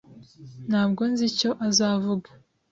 Ntabwo nzi icyo azavuga.